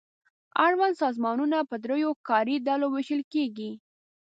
اړوند سازمانونه په دریو کاري ډلو وېشل کیږي.